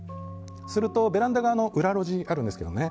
すると、ベランダ側の裏路地があるんですけどね